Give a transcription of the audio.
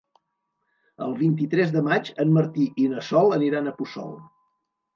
El vint-i-tres de maig en Martí i na Sol aniran a Puçol.